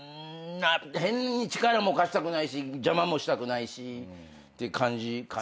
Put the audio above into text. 変に力も貸したくないし邪魔もしたくないしって感じかな。